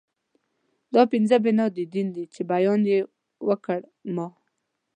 دا پنځه بنا د دين دي چې بیان يې وکړ ما